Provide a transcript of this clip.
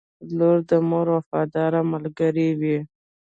• لور د مور وفاداره ملګرې وي.